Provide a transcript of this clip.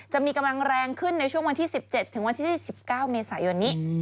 จะมีกำลังแรงขึ้นในช่วงวันที่๑๗ถึงวันที่๒๙เมษายนนี้